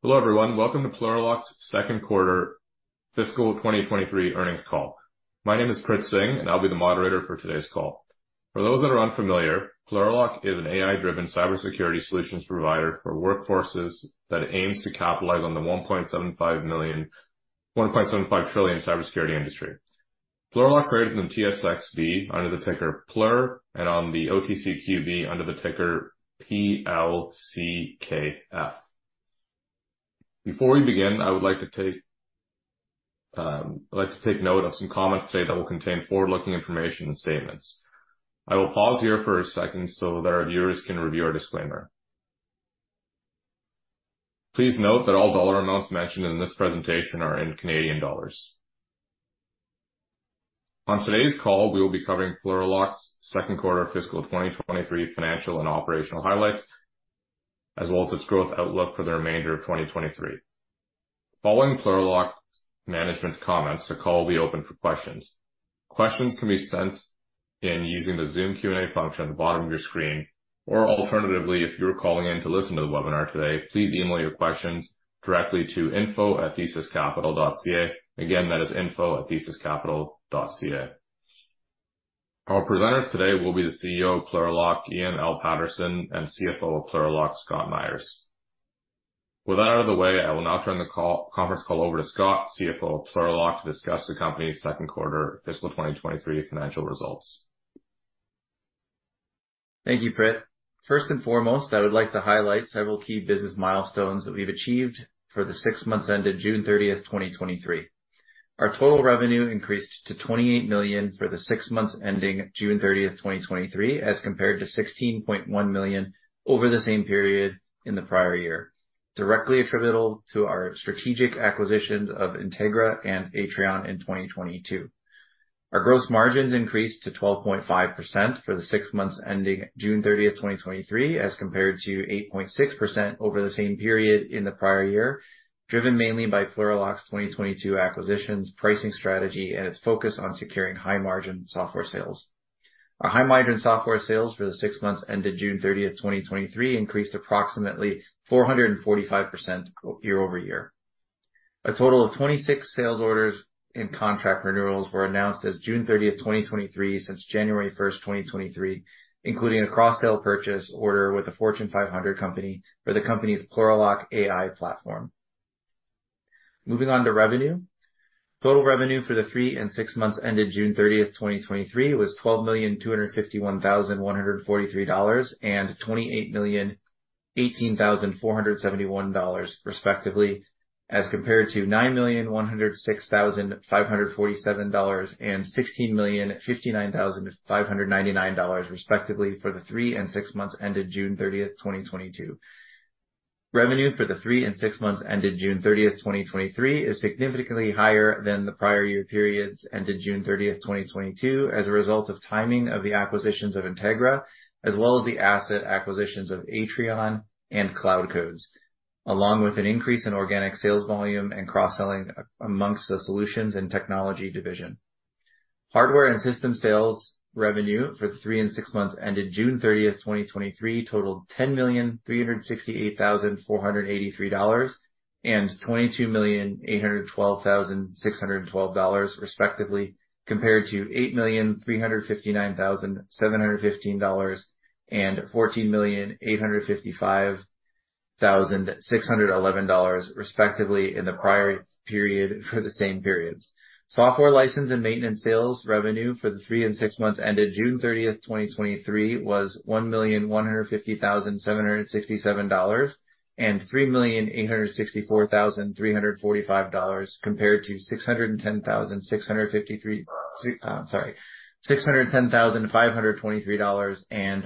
Hello, everyone. Welcome to Plurilock's second quarter fiscal 2023 earnings call. My name is Prit Singh, and I'll be the moderator for today's call. For those that are unfamiliar, Plurilock is an AI-driven cybersecurity solutions provider for workforces that aims to capitalize on the 1.75 million... 1.75 trillion cybersecurity industry. Plurilock traded on TSXV under the ticker PLUR, and on the OTCQB under the ticker PLCKF. Before we begin, I would like to take, like to take note of some comments today that will contain forward-looking information and statements. I will pause here for a second so that our viewers can review our disclaimer. Please note that all dollar amounts mentioned in this presentation are in Canadian dollars. On today's call, we will be covering Plurilock's second quarter fiscal 2023 financial and operational highlights, as well as its growth outlook for the remainder of 2023. Following Plurilock's management's comments, the call will be open for questions. Questions can be sent in using the Zoom Q&A function at the bottom of your screen, or alternatively, if you are calling in to listen to the webinar today, please email your questions directly to info@thesiscapital.ca. Again, that is info@thesiscapital.ca. Our presenters today will be the CEO of Plurilock, Ian L. Paterson, and CFO of Plurilock, Scott Myers. With that out of the way, I will now turn the call, conference call over to Scott, CFO of Plurilock, to discuss the company's second quarter fiscal 2023 financial results. Thank you, Prit. First and foremost, I would like to highlight several key business milestones that we've achieved for the six months ended June 30, 2023. Our total revenue increased to 28 million for the six months ending June 30, 2023, as compared to 16.1 million over the same period in the prior year, directly attributable to our strategic acquisitions of Integra and Atrion in 2022. Our gross margins increased to 12.5% for the six months ending June 30, 2023, as compared to 8.6% over the same period in the prior year, driven mainly by Plurilock's 2022 acquisitions, pricing strategy and its focus on securing high-margin software sales. Our high-margin software sales for the six months ended June 30, 2023, increased approximately 445% year-over-year. A total of 26 sales orders and contract renewals were announced as of June 30, 2023, since January 1, 2023, including a cross-sell purchase order with a Fortune 500 company for the company's Plurilock AI platform. Moving on to revenue. Total revenue for the three and six months ended June 30, 2023, was 12,251,143 dollars and 28,018,471 dollars, respectively, as compared to 9,106,547 dollars and 16,059,599 dollars, respectively, for the three and six months ended June 30, 2022. Revenue for the three and six months ended June 30, 2023, is significantly higher than the prior year periods ended June 30, 2022, as a result of timing of the acquisitions of Integra, as well as the asset acquisitions of Atrion and CloudCodes, along with an increase in organic sales volume and cross-selling among the Solutions and Technology Division. Hardware and system sales revenue for the three and six months ended June 30, 2023, totaled CAD 10,368,483 and 22,812,612 dollars, respectively, compared to 8,359,715 dollars and 14,855,611 dollars, respectively, in the prior period for the same periods. Software license and maintenance sales revenue for the three and six months ended June 30, 2023, was CAD 1,150,767 and CAD 3,864,345, compared to CAD 610,523 and CAD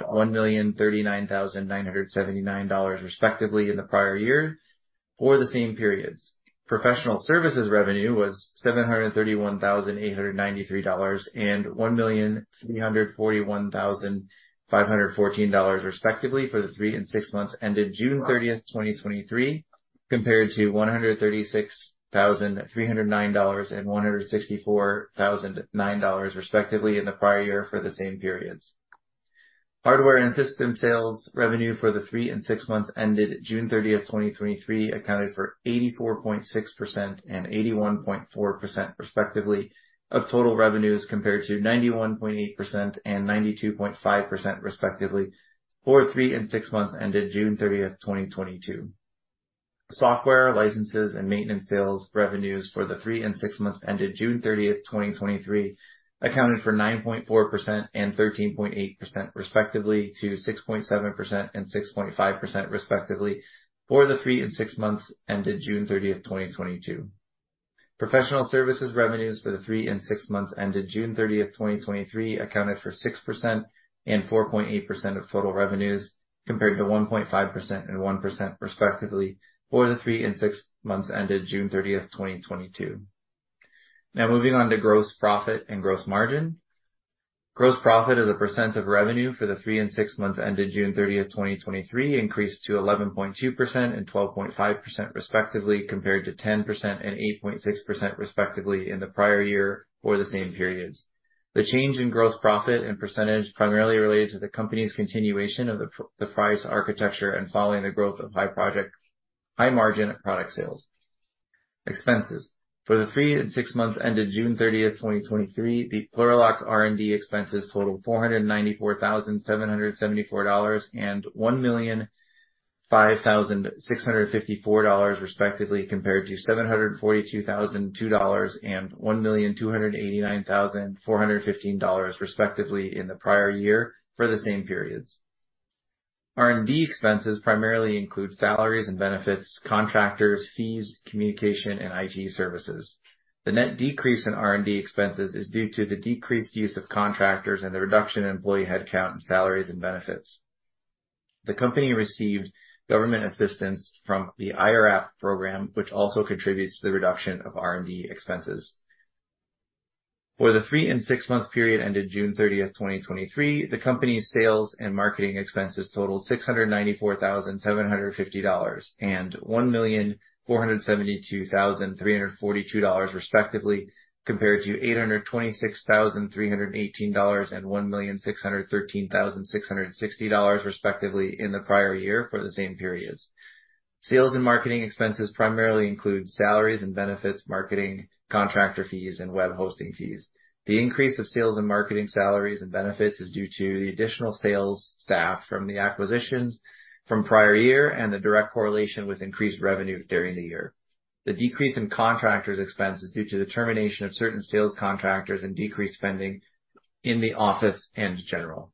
1,039,979, respectively, in the prior year for the same periods. Professional services revenue was CAD 731,893 and 1,341,514 dollars, respectively, for the three and six months ended June 30, 2023, compared to 136,309 dollars and 164,009 dollars, respectively, in the prior year for the same periods. Hardware and system sales revenue for the three and six months ended June 30, 2023, accounted for 84.6% and 81.4%, respectively, of total revenues, compared to 91.8% and 92.5%, respectively, for three and six months ended June 30, 2022. Software, licenses, and maintenance sales revenues for the three and six months ended June 30, 2023, accounted for 9.4% and 13.8%, respectively, to 6.7% and 6.5%, respectively, for the three and six months ended June 30, 2022. Professional services revenues for the three and six months ended June 30, 2023, accounted for 6% and 4.8% of total revenues, compared to 1.5% and 1%, respectively, for the three and six months ended June 30, 2022. Now moving on to gross profit and gross margin. Gross profit as a percent of revenue for the three and six months ended June 30, 2023, increased to 11.2% and 12.5%, respectively, compared to 10% and 8.6%, respectively, in the prior year for the same periods. The change in gross profit and percentage primarily related to the company's continuation of the price architecture and following the growth of high project, high-margin product sales. Expenses. For the three and six months ended June 30, 2023, Plurilock's R&D expenses totaled 494,774 dollars and 1,005,654 dollars, respectively, compared to 742,002 dollars and 1,289,415 dollars, respectively, in the prior year for the same periods. R&D expenses primarily include salaries and benefits, contractors, fees, communication, and IT services. The net decrease in R&D expenses is due to the decreased use of contractors and the reduction in employee headcount, and salaries, and benefits. The company received government assistance from the IRAP program, which also contributes to the reduction of R&D expenses. For the three- and six-month period ended June 30, 2023, the company's sales and marketing expenses totaled 694,750 dollars and 1,472,342 dollars, respectively, compared to 826,318 dollars and 1,613,660 dollars, respectively, in the prior year for the same periods. Sales and marketing expenses primarily include salaries and benefits, marketing, contractor fees, and web hosting fees. The increase of sales and marketing salaries and benefits is due to the additional sales staff from the acquisitions from prior year and the direct correlation with increased revenue during the year. The decrease in contractors expenses is due to the termination of certain sales contractors and decreased spending in the office and general.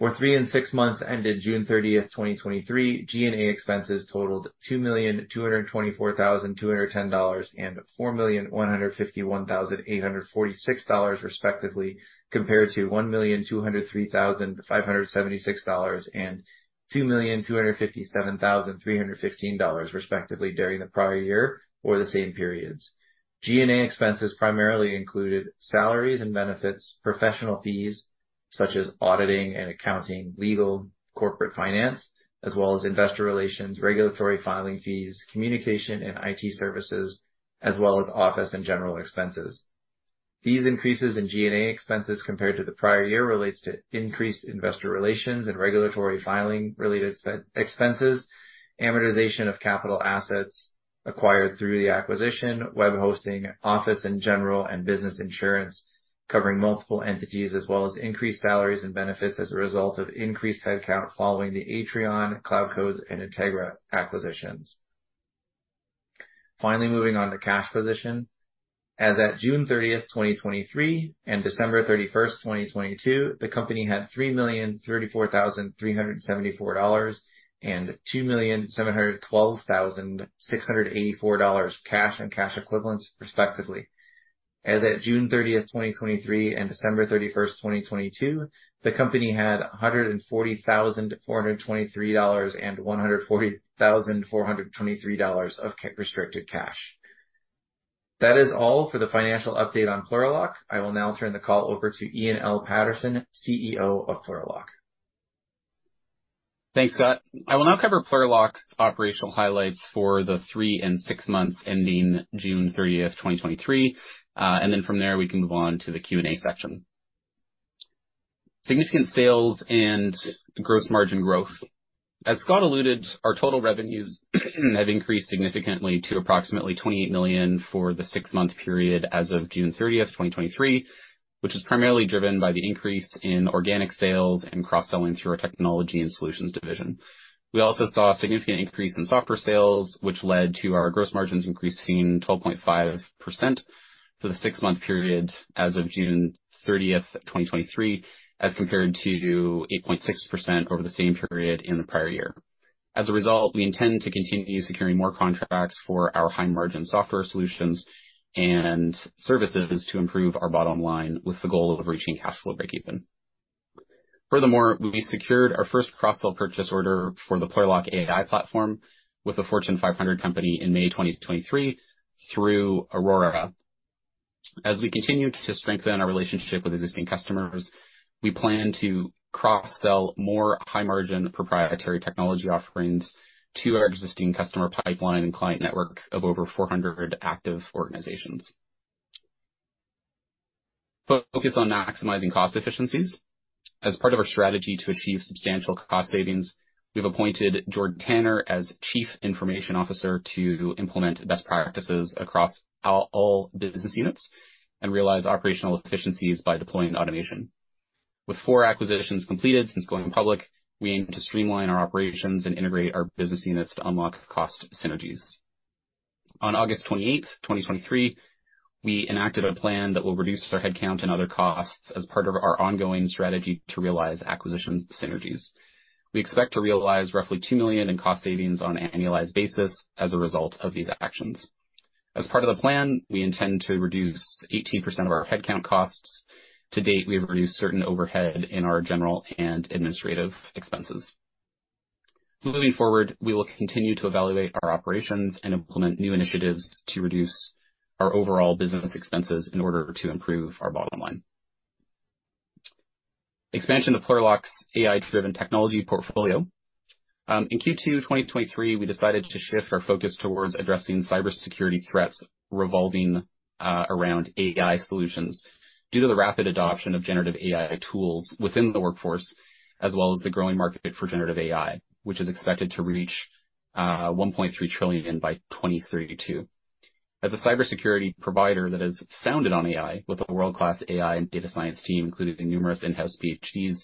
For three and six months ended June 30, 2023, G&A expenses totaled 2,224,210 dollars and 4,151,846 dollars, respectively, compared to 1,203,576 dollars and 2,257,315 dollars, respectively, during the prior year for the same periods. G&A expenses primarily included salaries and benefits, professional fees such as auditing and accounting, legal, corporate finance, as well as investor relations, regulatory filing fees, communication and IT services, as well as office and general expenses. These increases in G&A expenses compared to the prior year, relates to increased investor relations and regulatory filing-related expenses, amortization of capital assets acquired through the acquisition, web hosting, office and general, and business insurance, covering multiple entities, as well as increased salaries and benefits as a result of increased headcount following the Atrion, CloudCodes, and Integra acquisitions. Finally, moving on to cash position. As at June 30, 2023, and December 31, 2022, the company had CAD 3,034,374 and CAD 2,712,684 cash and cash equivalents, respectively. As at June 30, 2023, and December 31, 2022, the company had 140,423 dollars and 140,423 dollars of restricted cash. That is all for the financial update on Plurilock. I will now turn the call over to Ian L. Paterson, CEO of Plurilock. Thanks, Scott. I will now cover Plurilock's operational highlights for the three and six months ending June thirtieth, 2023. And then from there, we can move on to the Q&A section. Significant sales and gross margin growth. As Scott alluded, our total revenues have increased significantly to approximately 28 million for the six-month period as of June thirtieth, 2023, which is primarily driven by the increase in organic sales and cross-selling through our Technology and Solutions Division. We also saw a significant increase in software sales, which led to our gross margins increasing 12.5% for the six-month period as of June thirtieth, 2023, as compared to 8.6% over the same period in the prior year. As a result, we intend to continue securing more contracts for our high-margin software solutions and services to improve our bottom line, with the goal of reaching cash flow breakeven. Furthermore, we secured our first cross-sell purchase order for the Plurilock AI platform with a Fortune 500 company in May 2023 through Aurora. As we continue to strengthen our relationship with existing customers, we plan to cross-sell more high-margin, proprietary technology offerings to our existing customer pipeline and client network of over 400 active organizations. Focus on maximizing cost efficiencies. As part of our strategy to achieve substantial cost savings, we've appointed Jord Tanner as Chief Information Officer to implement best practices across all our business units and realize operational efficiencies by deploying automation. With 4 acquisitions completed since going public, we aim to streamline our operations and integrate our business units to unlock cost synergies. On August 28, 2023, we enacted a plan that will reduce our headcount and other costs as part of our ongoing strategy to realize acquisition synergies. We expect to realize roughly 2 million in cost savings on an annualized basis as a result of these actions. As part of the plan, we intend to reduce 18% of our headcount costs. To date, we have reduced certain overhead in our general and administrative expenses. Moving forward, we will continue to evaluate our operations and implement new initiatives to reduce our overall business expenses in order to improve our bottom line.... expansion of Plurilock's AI-driven technology portfolio. In Q2, 2023, we decided to shift our focus towards addressing cybersecurity threats revolving around AI solutions due to the rapid adoption of generative AI tools within the workforce, as well as the growing market for generative AI, which is expected to reach $1.3 trillion by 2032. As a cybersecurity provider that is founded on AI, with a world-class AI and data science team, including numerous in-house PhDs,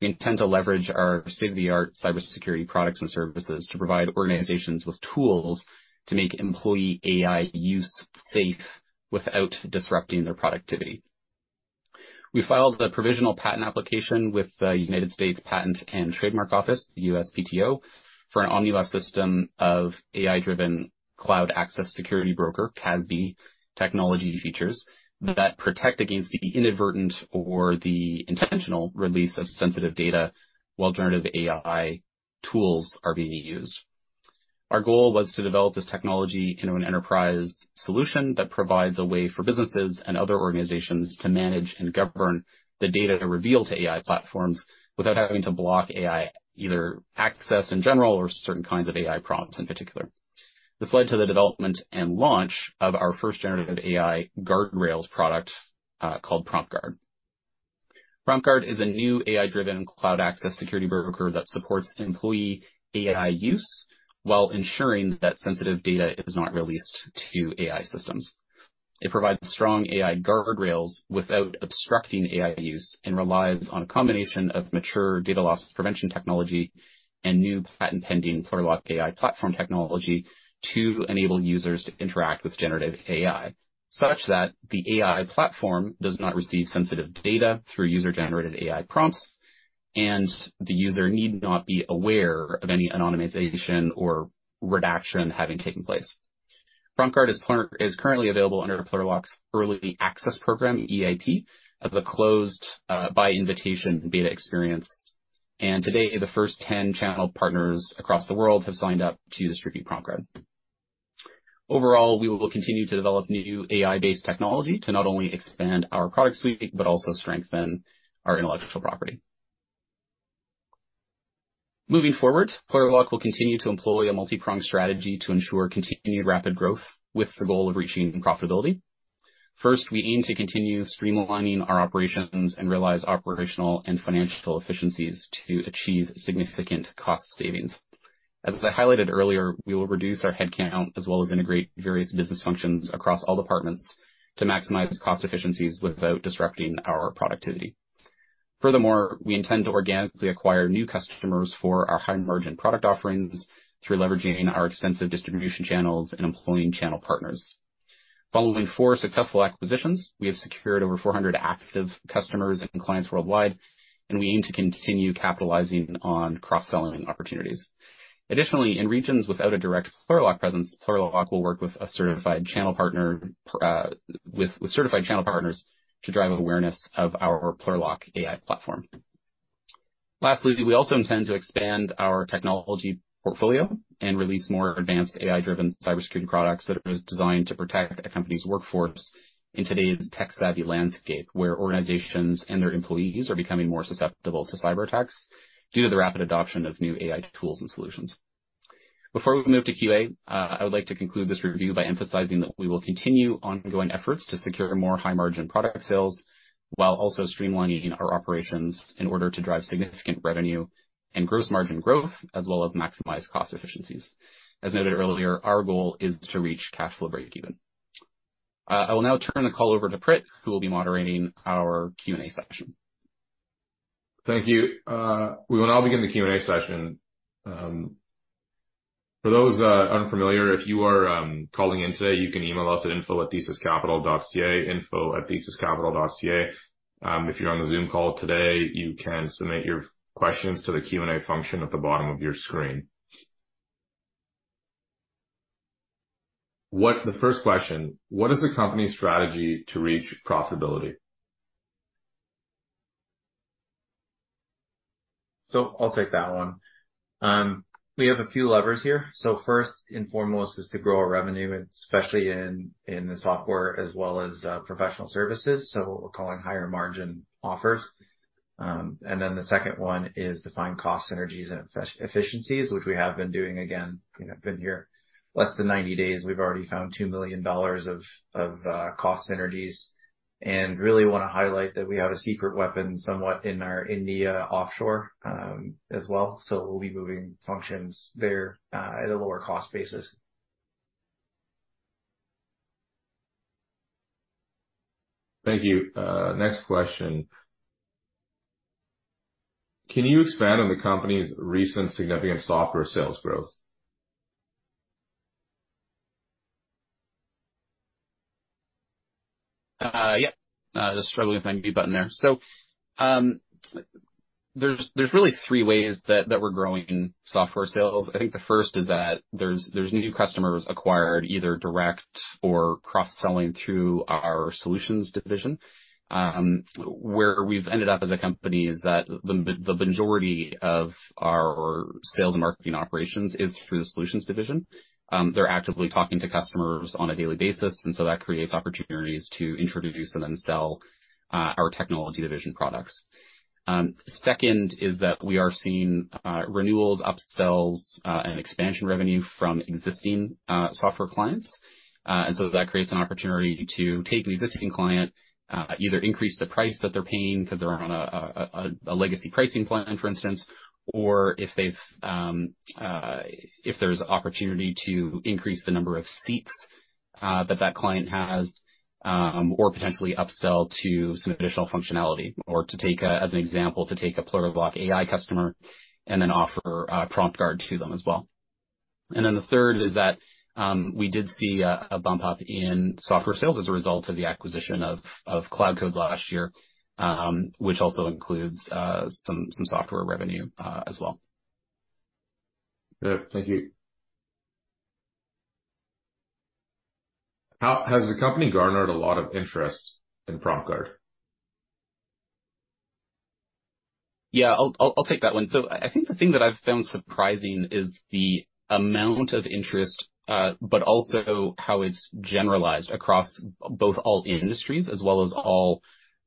we intend to leverage our state-of-the-art cybersecurity products and services to provide organizations with tools to make employee AI use safe without disrupting their productivity. We filed a provisional patent application with the United States Patent and Trademark Office, USPTO, for an omnibus system of AI-driven Cloud Access Security Broker, CASB, technology features that protect against the inadvertent or the intentional release of sensitive data while generative AI tools are being used. Our goal was to develop this technology into an enterprise solution that provides a way for businesses and other organizations to manage and govern the data revealed to AI platforms, without having to block AI, either access in general or certain kinds of AI prompts in particular. This led to the development and launch of our first generative AI guardrails product, called PromptGuard. PromptGuard is a new AI-driven cloud access security broker that supports employee AI use while ensuring that sensitive data is not released to AI systems. It provides strong AI guardrails without obstructing AI use, and relies on a combination of mature data loss prevention technology and new patent-pending Plurilock AI platform technology, to enable users to interact with generative AI, such that the AI platform does not receive sensitive data through user-generated AI prompts, and the user need not be aware of any anonymization or redaction having taken place. PromptGuard is currently available under Plurilock's Early Access Program, EAP, as a closed by invitation beta experience, and today the first 10 channel partners across the world have signed up to distribute PromptGuard. Overall, we will continue to develop new AI-based technology to not only expand our product suite, but also strengthen our intellectual property. Moving forward, Plurilock will continue to employ a multi-pronged strategy to ensure continued rapid growth, with the goal of reaching profitability. First, we aim to continue streamlining our operations and realize operational and financial efficiencies to achieve significant cost savings. As I highlighted earlier, we will reduce our headcount as well as integrate various business functions across all departments to maximize cost efficiencies without disrupting our productivity. Furthermore, we intend to organically acquire new customers for our high-margin product offerings through leveraging our extensive distribution channels and employing channel partners. Following 4 successful acquisitions, we have secured over 400 active customers and clients worldwide, and we aim to continue capitalizing on cross-selling opportunities. Additionally, in regions without a direct Plurilock presence, Plurilock will work with a certified channel partner with certified channel partners to drive awareness of our Plurilock AI platform. Lastly, we also intend to expand our technology portfolio and release more advanced AI-driven cybersecurity products that are designed to protect a company's workforce in today's tech-savvy landscape, where organizations and their employees are becoming more susceptible to cyberattacks due to the rapid adoption of new AI tools and solutions. Before we move to Q&A, I would like to conclude this review by emphasizing that we will continue ongoing efforts to secure more high-margin product sales, while also streamlining our operations in order to drive significant revenue and gross margin growth, as well as maximize cost efficiencies. As noted earlier, our goal is to reach cash flow breakeven. I will now turn the call over to Prit, who will be moderating our Q&A session. Thank you. We will now begin the Q&A session. For those unfamiliar, if you are calling in today, you can email us at info@thesiscapital.ca, info@thesiscapital.ca. If you're on the Zoom call today, you can submit your questions to the Q&A function at the bottom of your screen. The first question: What is the company's strategy to reach profitability? So I'll take that one. We have a few levers here. So first and foremost is to grow our revenue, especially in the software as well as professional services, so what we're calling higher margin offers. And then the second one is to find cost synergies and efficiencies, which we have been doing. Again, you know, been here less than 90 days, we've already found 2 million dollars of cost synergies, and really want to highlight that we have a secret weapon, somewhat in our India offshore, as well. So we'll be moving functions there at a lower cost basis. Thank you. Next question: Can you expand on the company's recent significant software sales growth? ... Yeah, just struggling with my mute button there. So, there's really three ways that we're growing software sales. I think the first is that there's new customers acquired, either direct or cross-selling through our Solutions Division. Where we've ended up as a company is that the majority of our sales and marketing operations is through the Solutions Division. They're actively talking to customers on a daily basis, and so that creates opportunities to introduce and then sell our Technology Division products. Second is that we are seeing renewals, upsells, and expansion revenue from existing software clients. And so that creates an opportunity to take an existing client, either increase the price that they're paying because they're on a legacy pricing plan, for instance. Or if they've, if there's opportunity to increase the number of seats, that that client has, or potentially upsell to some additional functionality, or to take as an example, to take a Plurilock AI customer and then offer, PromptGuard to them as well. And then the third is that, we did see a bump up in software sales as a result of the acquisition of CloudCodes last year, which also includes some software revenue as well. Thank you. How has the company garnered a lot of interest in PromptGuard? Yeah, I'll take that one. So I think the thing that I've found surprising is the amount of interest, but also how it's generalized across both all industries as well as all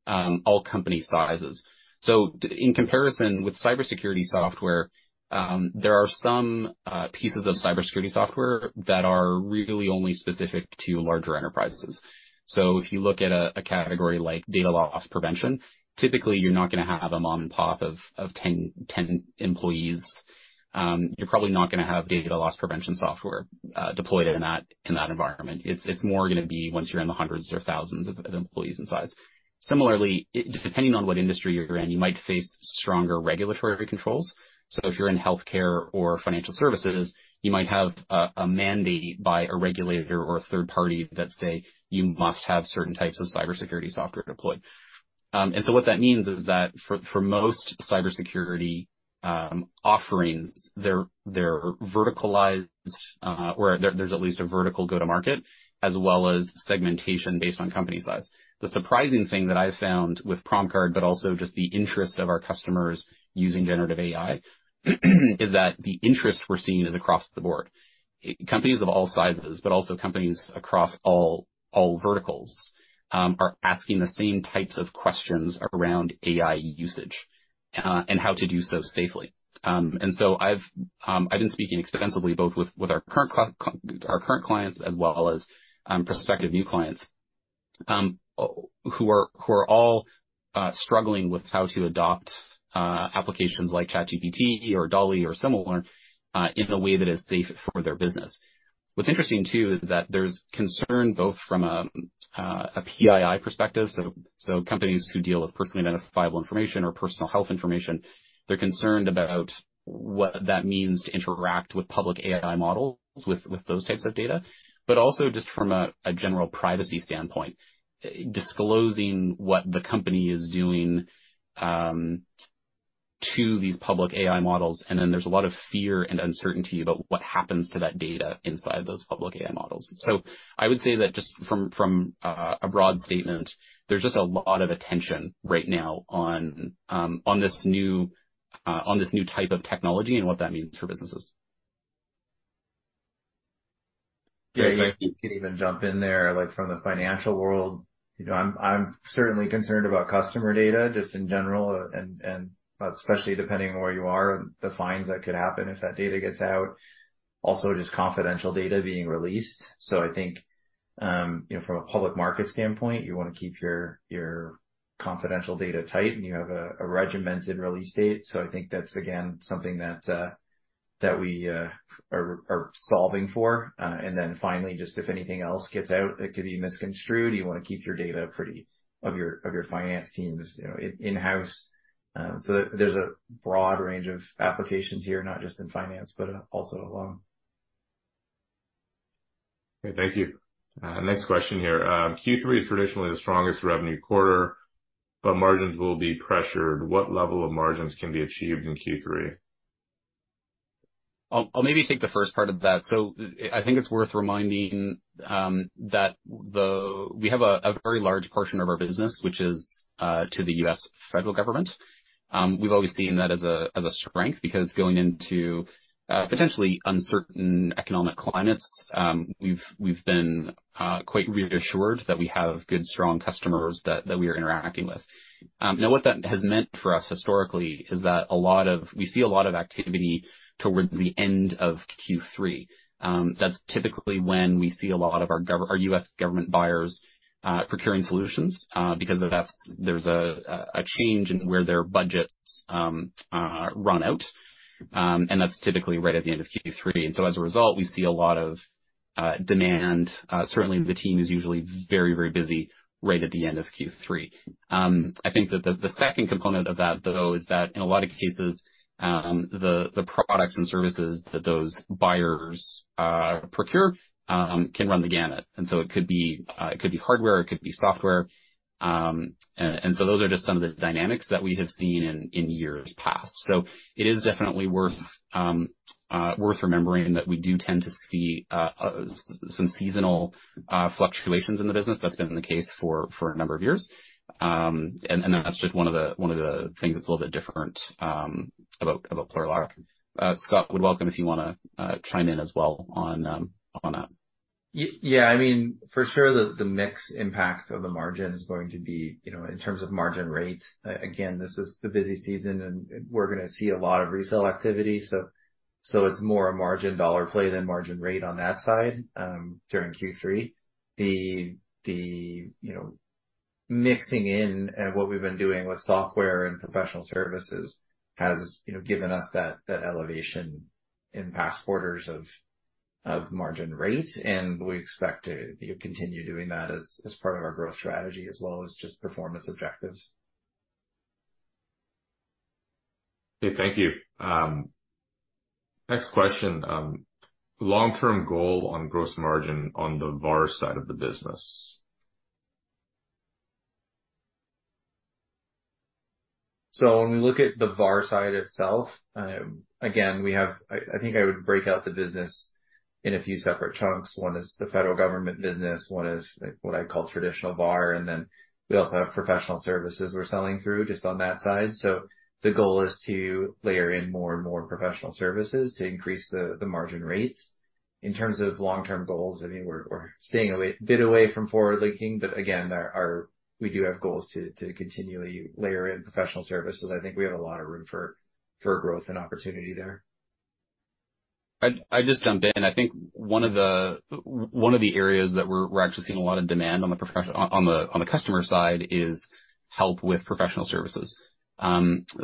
company sizes. So in comparison with cybersecurity software, there are some pieces of cybersecurity software that are really only specific to larger enterprises. So if you look at a category like data loss prevention, typically you're not gonna have a mom-and-pop of 10 employees. You're probably not gonna have data loss prevention software deployed in that environment. It's more gonna be once you're in the hundreds or thousands of employees in size. Similarly, depending on what industry you're in, you might face stronger regulatory controls. So if you're in healthcare or financial services, you might have a mandate by a regulator or a third party that say, "You must have certain types of cybersecurity software deployed." And so what that means is that for most cybersecurity offerings, they're verticalized, or there's at least a vertical go-to-market, as well as segmentation based on company size. The surprising thing that I've found with PromptGuard, but also just the interest of our customers using generative AI, is that the interest we're seeing is across the board. Companies of all sizes, but also companies across all verticals, are asking the same types of questions around AI usage, and how to do so safely. And so I've been speaking extensively, both with our current clients, as well as prospective new clients who are all struggling with how to adopt applications like ChatGPT or DALL-E or similar in a way that is safe for their business. What's interesting, too, is that there's concern both from a PII perspective, so companies who deal with personally identifiable information or personal health information, they're concerned about what that means to interact with public AI models, with those types of data, but also just from a general privacy standpoint, disclosing what the company is doing to these public AI models. And then there's a lot of fear and uncertainty about what happens to that data inside those public AI models. So I would say that just from a broad statement, there's just a lot of attention right now on this new type of technology and what that means for businesses. Great, thank you. I can even jump in there, like from the financial world, you know, I'm certainly concerned about customer data, just in general, and especially depending on where you are, the fines that could happen if that data gets out. Also, just confidential data being released. So I think, you know, from a public market standpoint, you wanna keep your confidential data tight, and you have a regimented release date. So I think that's, again, something that we are solving for. And then finally, just if anything else gets out that could be misconstrued, you wanna keep your data pretty... Of your finance teams, you know, in-house. So there's a broad range of applications here, not just in finance, but also alone. Okay. Thank you. Next question here. Q3 is traditionally the strongest revenue quarter, but margins will be pressured. What level of margins can be achieved in Q3? I'll maybe take the first part of that. So I think it's worth reminding that we have a very large portion of our business, which is to the U.S. federal government. We've always seen that as a strength, because going into potentially uncertain economic climates, we've been quite reassured that we have good, strong customers that we are interacting with. Now, what that has meant for us historically is that a lot of. We see a lot of activity towards the end of Q3. That's typically when we see a lot of our our U.S. government buyers procuring solutions, because that's, there's a change in where their budgets run out. And that's typically right at the end of Q3. As a result, we see a lot of demand. Certainly the team is usually very, very busy right at the end of Q3. I think that the second component of that, though, is that in a lot of cases, the products and services that those buyers procure can run the gamut. And so it could be, it could be hardware, it could be software, and so those are just some of the dynamics that we have seen in years past. So it is definitely worth remembering that we do tend to see some seasonal fluctuations in the business. That's been the case for a number of years. And that's just one of the things that's a little bit different about Plurilock. Scott, would welcome if you wanna chime in as well on, on that. Yeah, I mean, for sure, the mix impact of the margin is going to be, you know, in terms of margin rate, again, this is the busy season, and we're gonna see a lot of resale activity, so it's more a margin dollar play than margin rate on that side during Q3. The you know, mixing in at what we've been doing with software and professional services has, you know, given us that elevation in past quarters of margin rate, and we expect to continue doing that as part of our growth strategy, as well as just performance objectives. Okay, thank you. Next question, long-term goal on gross margin on the VAR side of the business? So when we look at the VAR side itself, again, we have I think I would break out the business in a few separate chunks. One is the federal government business, one is, like, what I call traditional VAR, and then we also have professional services we're selling through, just on that side. So the goal is to layer in more and more professional services to increase the margin rates. In terms of long-term goals, I mean, we're staying a bit away from forward-looking, but again, our we do have goals to continually layer in professional services. I think we have a lot of room for growth and opportunity there. I'd just jump in. I think one of the areas that we're actually seeing a lot of demand on the customer side is help with professional services.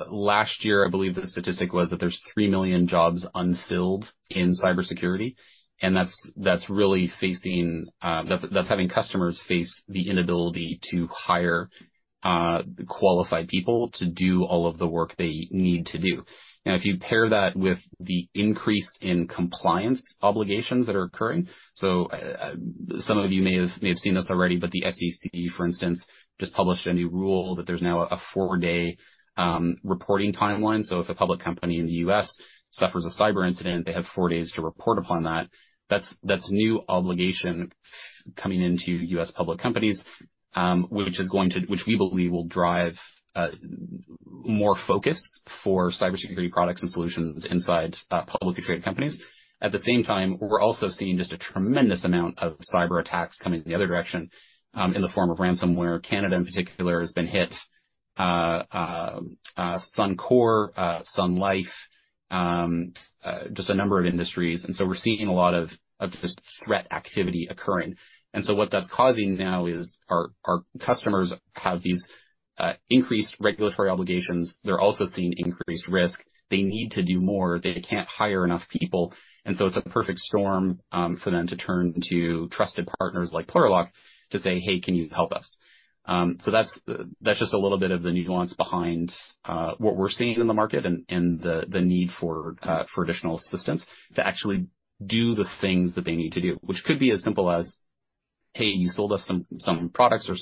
Last year, I believe the statistic was that there's 3 million jobs unfilled in cybersecurity, and that's really having customers face the inability to hire qualified people to do all of the work they need to do. Now, if you pair that with the increase in compliance obligations that are occurring, so some of you may have seen this already, but the SEC, for instance, just published a new rule that there's now a 4-day reporting timeline. So if a public company in the U.S. suffers a cyber incident, they have 4 days to report upon that. That's a new obligation coming into U.S. public companies, which we believe will drive more focus for cybersecurity products and solutions inside publicly traded companies. At the same time, we're also seeing just a tremendous amount of cyberattacks coming in the other direction, in the form of ransomware. Canada in particular has been hit, Suncor, Sun Life, just a number of industries, and so we're seeing a lot of just threat activity occurring. And so what that's causing now is our customers have these increased regulatory obligations. They're also seeing increased risk. They need to do more. They can't hire enough people, and so it's a perfect storm for them to turn to trusted partners like Plurilock to say, "Hey, can you help us?" So that's just a little bit of the nuance behind what we're seeing in the market and the need for additional assistance to actually do the things that they need to do, which could be as simple as, "Hey, you sold us some products or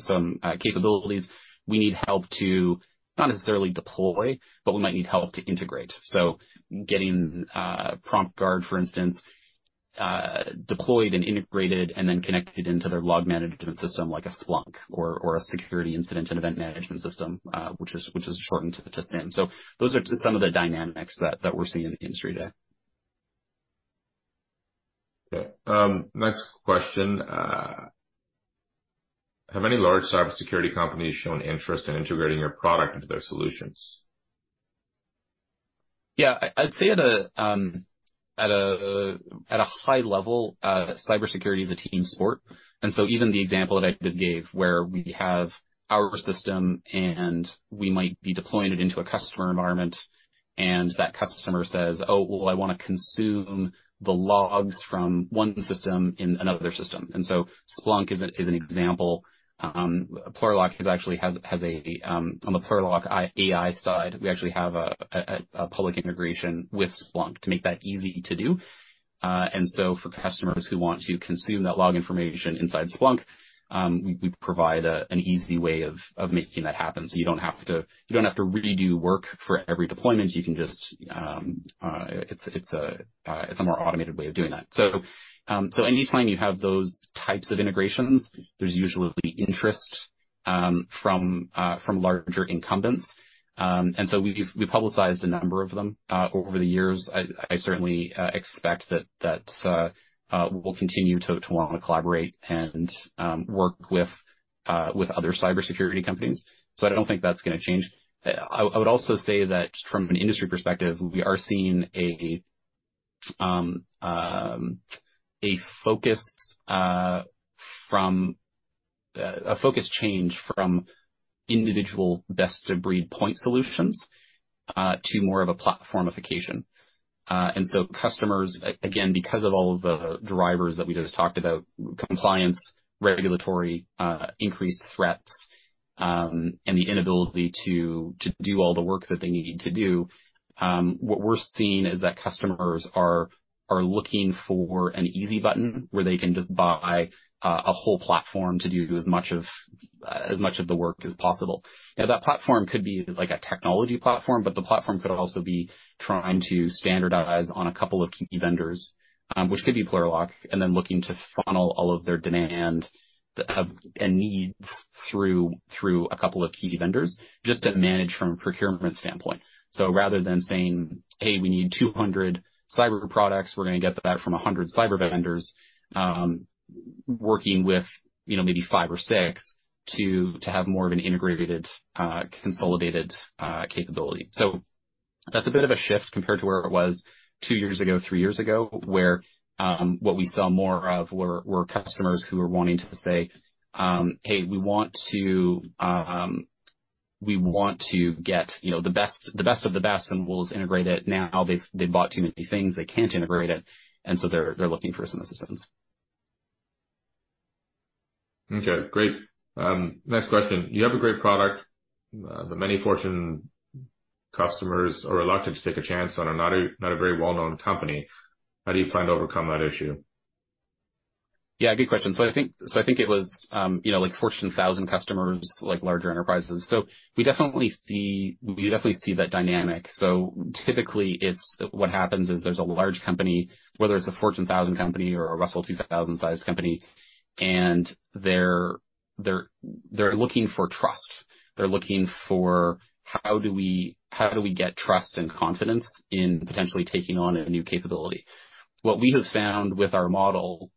some capabilities. We need help to, not necessarily deploy, but we might need help to integrate." So getting PromptGuard, for instance, deployed and integrated, and then connected into their log management system like a Splunk or a security incident and event management system, which is shortened to SIEM. Those are some of the dynamics that we're seeing in the industry today. Okay, next question, have any large cybersecurity companies shown interest in integrating your product into their solutions? Yeah, I'd say at a high level, cybersecurity is a team sport, and so even the example that I just gave, where we have our system and we might be deploying it into a customer environment, and that customer says, "Oh, well, I want to consume the logs from one system in another system." And so Splunk is an example. Plurilock is actually has a on the Plurilock AI side, we actually have a public integration with Splunk to make that easy to do. And so for customers who want to consume that log information inside Splunk, we provide an easy way of making that happen. So you don't have to redo work for every deployment. You can just... It's a more automated way of doing that. So, so anytime you have those types of integrations, there's usually interest from larger incumbents. And so we've publicized a number of them over the years. I certainly expect that we'll continue to want to collaborate and work with other cybersecurity companies, so I don't think that's gonna change. I would also say that from an industry perspective, we are seeing a focus change from individual best-of-breed point solutions to more of a platformification. And so customers, again, because of all of the drivers that we just talked about, compliance, regulatory, increased threats, and the inability to do all the work that they needed to do. What we're seeing is that customers are looking for an easy button where they can just buy a whole platform to do as much of the work as possible. Now, that platform could be, like, a technology platform, but the platform could also be trying to standardize on a couple of key vendors, which could be Plurilock, and then looking to funnel all of their demand and needs through a couple of key vendors just to manage from a procurement standpoint. So rather than saying, "Hey, we need 200 cyber products, we're gonna get that from 100 cyber vendors," working with, you know, maybe five or six to have more of an integrated, consolidated capability. So that's a bit of a shift compared to where it was two years ago, three years ago, where what we saw more of were customers who were wanting to say, "Hey, we want to, we want to get, you know, the best, the best of the best, and we'll integrate it." Now, they've bought too many things, they can't integrate it, and so they're looking for some assistance. Okay, great. Next question: You have a great product. But many Fortune customers are reluctant to take a chance on a not very well-known company. How do you plan to overcome that issue? Yeah, good question. So I think, so I think it was, you know, like Fortune 1000 customers, like larger enterprises. So we definitely see, we definitely see that dynamic. So typically, it's what happens is there's a large company, whether it's a Fortune 1000 company or a Russell 2000 size company, and they're looking for trust. They're looking for how do we, how do we get trust and confidence in potentially taking on a new capability? What we have found with our model,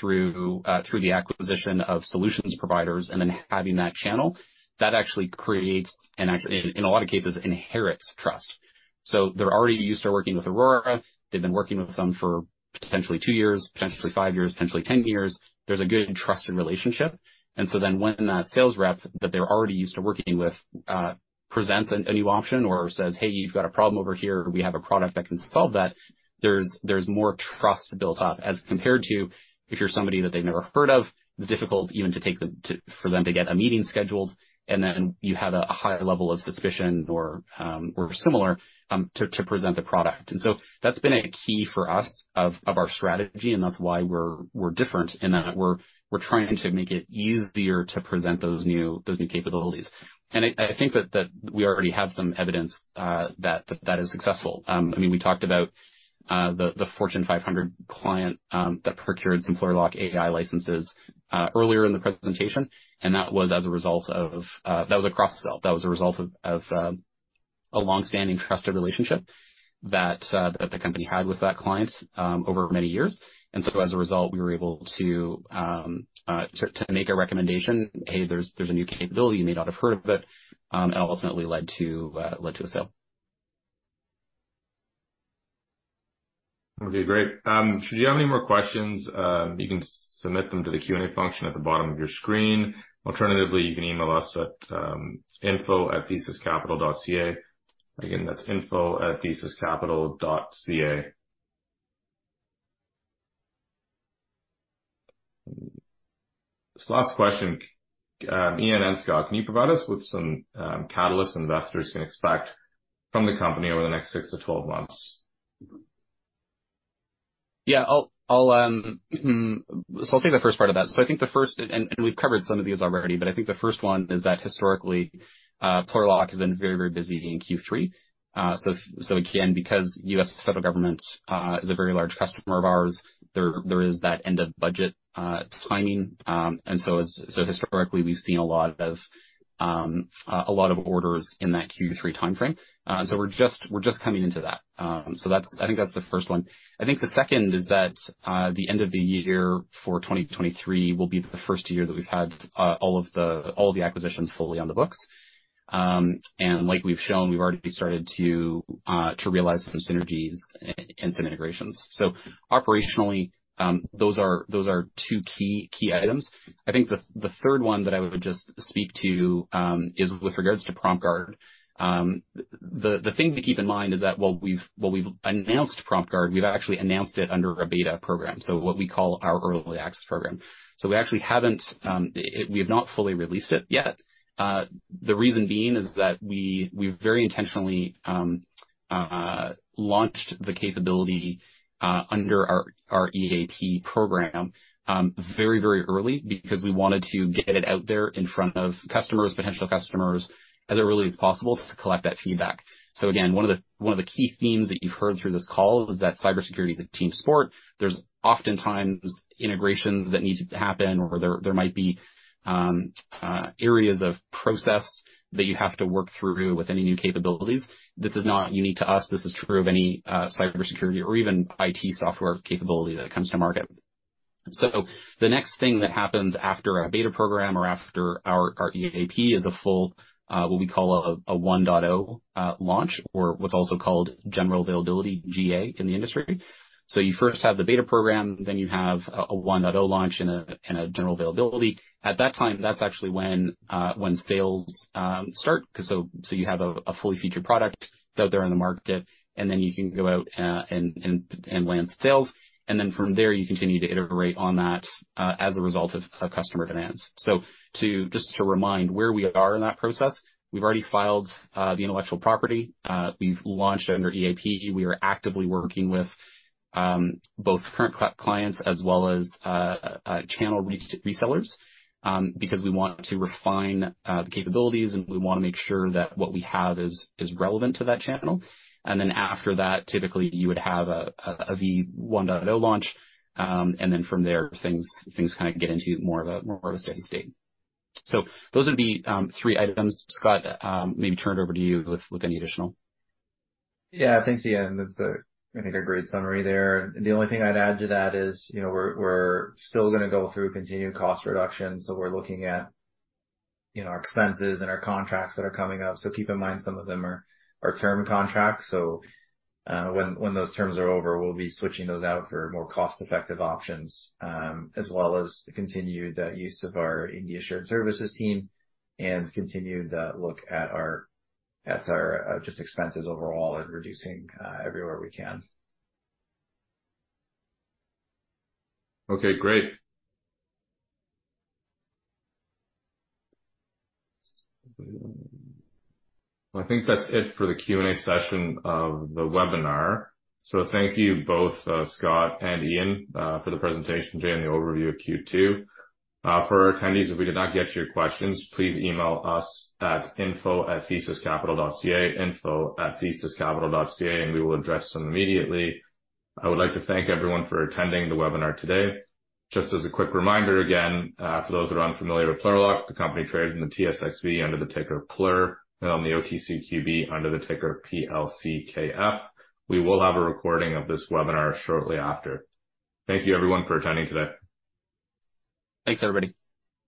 through the acquisition of solutions providers and then having that channel, that actually creates, and in a lot of cases, inherits trust. So they're already used to working with Aurora. They've been working with them for potentially 2 years, potentially 5 years, potentially 10 years. There's a good trusted relationship, and so then when that sales rep that they're already used to working with presents a new option or says, "Hey, you've got a problem over here, we have a product that can solve that." There's more trust built up as compared to if you're somebody that they've never heard of. It's difficult even to take the... for them to get a meeting scheduled, and then you have a higher level of suspicion or similar to present the product. And so that's been a key for us of our strategy, and that's why we're different in that we're trying to make it easier to present those new capabilities. And I think that we already have some evidence that is successful. I mean, we talked about the Fortune 500 client that procured some Plurilock AI licenses earlier in the presentation, and that was as a result of that was a cross sell. That was a result of a long-standing trusted relationship that the company had with that client over many years. And so as a result, we were able to to make a recommendation, "Hey, there's a new capability. You may not have heard of it." and ultimately led to a sale. Okay, great. Should you have any more questions, you can submit them to the Q&A function at the bottom of your screen. Alternatively, you can email us at info@thesiscapital.ca. Again, that's info@thesiscapital.ca. So last question, Ian and Scott, can you provide us with some catalysts investors can expect from the company over the next 6-12 months? Yeah, I'll take the first part of that. So I think the first, and we've covered some of these already, but I think the first one is that historically, Plurilock has been very, very busy in Q3. So again, because U.S. federal government is a very large customer of ours, there is that end of budget timing. And so historically, we've seen a lot of a lot of orders in that Q3 timeframe. So we're just coming into that. So that's I think that's the first one. I think the second is that the end of the year for 2023 will be the first year that we've had all of the acquisitions fully on the books. And like we've shown, we've already started to realize some synergies and some integrations. So operationally, those are two key items. I think the third one that I would just speak to is with regards to PromptGuard. The thing to keep in mind is that while we've announced PromptGuard, we've actually announced it under a beta program, so what we call our early access program. So we actually haven't, we have not fully released it yet. The reason being is that we very intentionally launched the capability under our EAP program very early, because we wanted to get it out there in front of customers, potential customers, as early as possible to collect that feedback. So again, one of the key themes that you've heard through this call is that cybersecurity is a team sport. There's oftentimes integrations that need to happen, or there might be areas of process that you have to work through with any new capabilities. This is not unique to us. This is true of any cybersecurity or even IT software capability that comes to market. So the next thing that happens after our beta program or after our EAP is a full what we call a 1.0 launch, or what's also called general availability, GA, in the industry. So you first have the beta program, then you have a 1.0 launch and a general availability. At that time, that's actually when sales start, 'cause so you have a fully featured product out there in the market, and then you can go out and land sales. And then from there, you continue to iterate on that as a result of customer demands. So just to remind where we are in that process, we've already filed the intellectual property. We've launched under EAP. We are actively working with both current clients as well as channel resellers, because we want to refine the capabilities, and we wanna make sure that what we have is relevant to that channel. And then after that, typically, you would have a v1.0 launch, and then from there, things kind of get into more of a steady state. So those would be three items. Scott, maybe turn it over to you with any additional? Yeah. Thanks, Ian. That's a, I think, a great summary there. The only thing I'd add to that is, you know, we're still gonna go through continued cost reduction, so we're looking at, you know, our expenses and our contracts that are coming up. So keep in mind, some of them are term contracts, so when those terms are over, we'll be switching those out for more cost-effective options, as well as the continued use of our India shared services team and continued look at our just expenses overall and reducing everywhere we can. Okay, great. I think that's it for the Q&A session of the webinar. So thank you both, Scott and Ian, for the presentation today and the overview of Q2. For our attendees, if we did not get to your questions, please email us at info@thesiscapital.ca, info@thesiscapital.ca, and we will address them immediately. I would like to thank everyone for attending the webinar today. Just as a quick reminder, again, for those that are unfamiliar with Plurilock, the company trades in the TSXV under the ticker PLUR, and on the OTCQB under the ticker PLCKF. We will have a recording of this webinar shortly after. Thank you, everyone, for attending today. Thanks, everybody.